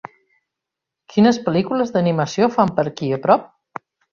Quines pel·lícules d'animació fan per aquí a prop?